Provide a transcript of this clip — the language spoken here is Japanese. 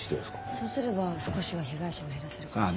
そうすれば少しは被害者を減らせるかもしれない。